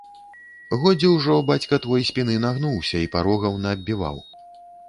Годзе ўжо бацька твой спіны нагнуўся і парогаў наабіваў.